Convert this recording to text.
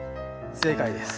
正解です。